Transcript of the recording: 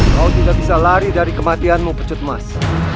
kau tidak bisa lari dari kematianmu pecut emas